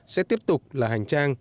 sẽ tiếp tục là hành trang